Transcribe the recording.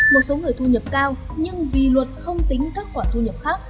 một số người thu nhập cao nhưng vì luật không tính các khoản thu nhập khác